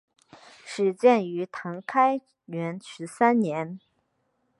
始建于唐开元十三年。